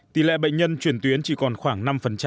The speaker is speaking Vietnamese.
tỷ lệ bệnh nhân chuyển tuyến chỉ còn khoảng năm